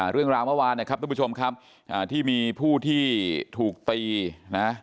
เรื่องราวเมื่อวานนะครับทุกผู้ชมครับที่มีผู้ที่ถูกตีนะ